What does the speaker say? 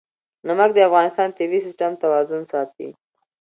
نمک د افغانستان د طبعي سیسټم توازن ساتي.